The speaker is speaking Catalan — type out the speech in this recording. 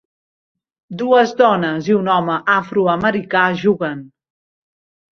Dues dones i un home afroamericà juguen.